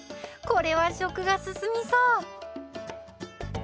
これは食が進みそう！